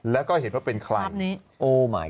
แล้วก็เห็นว่าเป็นใคร